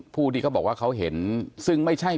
พูดเหมือนเดิมคือพูดอะไร